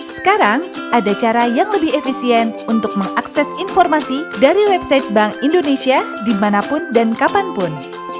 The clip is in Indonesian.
sekarang ada cara yang lebih efisien untuk mengakses informasi dari website bank indonesia dimanapun dan kapanpun